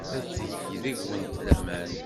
Ad teg deg-went laman.